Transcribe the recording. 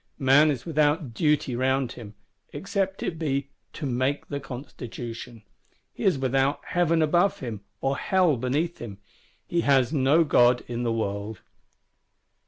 Man is without Duty round him; except it be "to make the Constitution." He is without Heaven above him, or Hell beneath him; he has no God in the world.